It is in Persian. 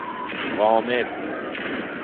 غامد